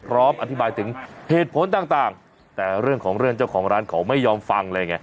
พร้อมอธิบายถึงเหตุผลต่างแต่เรื่องของเรื่องเจ้าของร้านเขาไม่ยอมฟังเลยไง